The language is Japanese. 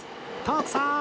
徳さーん！